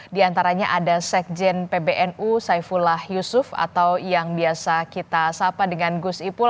di antaranya ada sekjen pbnu saifullah yusuf atau yang biasa kita sapa dengan gus ipul